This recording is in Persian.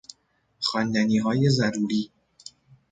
خواندنیهای ضروری